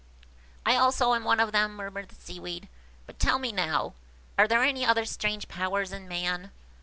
"I also am one of them," murmured the Seaweed; "but tell me now, are there any other strange powers in man?"